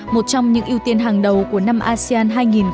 một trong những ưu tiên hàng đầu của năm asean hai nghìn hai mươi